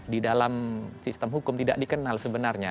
di dalam sistem hukum tidak dikenal sebenarnya